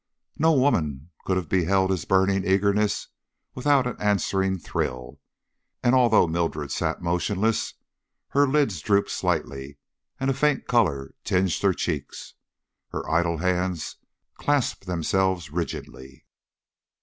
No woman could have beheld his burning eagerness without an answering thrill, and although Mildred sat motionless, her lids drooped slightly and a faint color tinged her cheeks. Her idle hands clasped themselves rigidly.